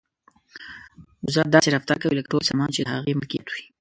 وزه داسې رفتار کوي لکه ټول سامان چې د هغې ملکیت وي.